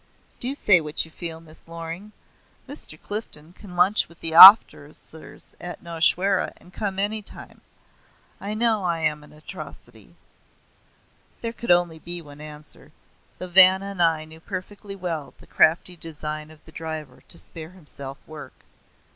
Do say what you feel, Miss Loring. Mr. Clifden can lunch with the officers at Nowshera and come any time. I know I am an atrocity." There could be only one answer, though Vanna and I knew perfectly well the crafty design of the driver to spare himself work.